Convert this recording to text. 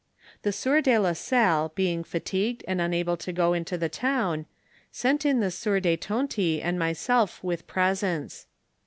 The sieur de la Salle being fatigued and unable to go into the town, sent in the sieur de Tonty and myself with presents.